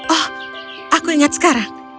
oh aku ingat sekarang